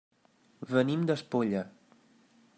Venim d'Espolla.